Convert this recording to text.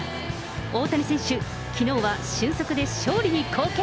大谷選手、きのうは俊足で勝利に貢献。